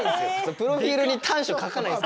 プロフィールに短所書かないです。